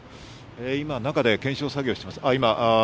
今、中で検証作業をしています。